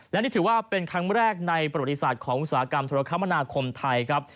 และนี่ถือว่าเป็นครั้งแรกในประวัติศาสตร์ของอุตสาหกรรมธุรกรรมนาคมไทยครับ